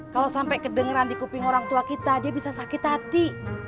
kalau sampai kedengeran di kuping orang tua kita dia bisa sakit hati